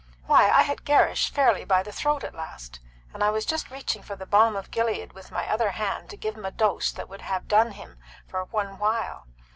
Why, I had Gerrish fairly by the throat at last, and I was just reaching for the balm of Gilead with my other hand to give him a dose that would have done him for one while!